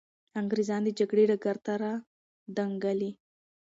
انګریزان د جګړې ډګر ته را دانګلي.